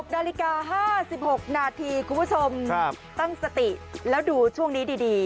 นาฬิกา๕๖นาทีคุณผู้ชมตั้งสติแล้วดูช่วงนี้ดี